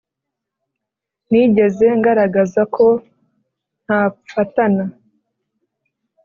nigeze ngaragaza ko ntafatana